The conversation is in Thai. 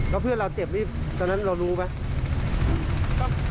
แล้วเพื่อนเราเจ็บนี่ตอนนั้นเรารู้ไหม